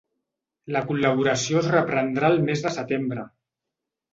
La col·laboració es reprendrà el mes de setembre.